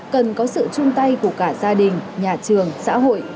cần có sự chung tay của cả gia đình nhà trường xã hội